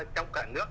trong cả nước